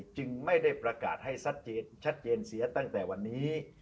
จึงไม่ได้ประกาศให้ชัดเจนเสียตั้งแต่วันนี้